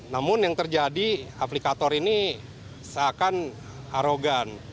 namun yang terjadi aplikator ini seakan arogan